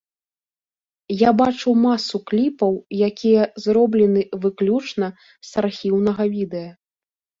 Я бачыў масу кліпаў, якія зроблены выключна з архіўнага відэа.